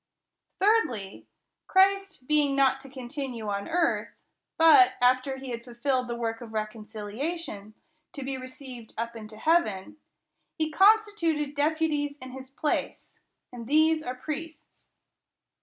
Thirdly, Christ being not to continue on earth, but, after he had fulfilled the work of reconciliation, to be received up into heaven, he constituted deputies in his place ; and these are priests.